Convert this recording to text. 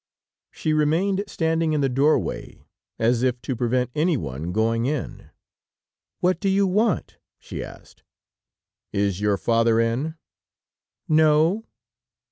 She remained standing in the doorway, as if to prevent any one going in. "What do you want?" she asked. "Is your father in?" "No."